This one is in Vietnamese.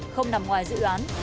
không nằm ngoài dự án